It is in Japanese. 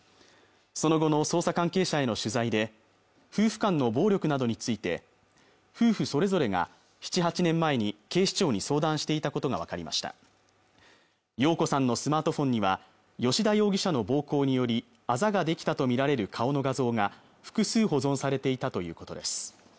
その後の捜査関係者への取材で夫婦間の暴力などについて夫婦それぞれが７、８年前年前に警視庁に相談していたことが分かりました容子さんのスマートフォンには吉田容疑者の暴行によりあざができたと見られる顔の画像が複数保存されていたということです